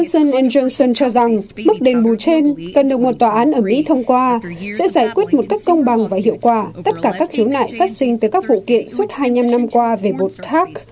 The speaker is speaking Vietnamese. johnson johnson cho rằng bức đề mù trên cần được một tòa án ở mỹ thông qua sẽ giải quyết một cách công bằng và hiệu quả tất cả các hiếu nại phát sinh từ các vụ kiện suốt hai mươi năm năm qua về bột tac